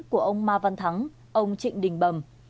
của ông ma văn thắng ông trịnh đình bầm